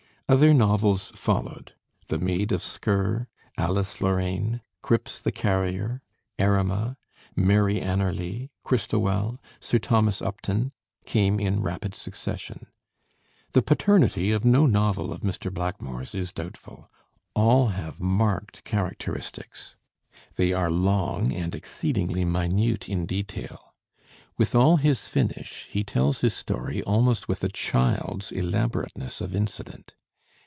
Other novels followed. 'The Maid of Sker,' 'Alice Lorraine,' 'Cripps the Carrier,' 'Erema,' 'Mary Anerley,' 'Christowell,' 'Sir Thomas Upton,' came in rapid succession. The paternity of no novel of Mr. Blackmore's is doubtful. All have marked characteristics. They are long and exceedingly minute in detail. With all his finish, he tells his story almost with a child's elaborateness of incident.